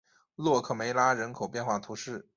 洛克梅拉人口变化图示